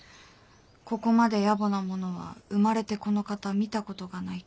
ここまで野暮なものは生まれてこの方見たことがないって。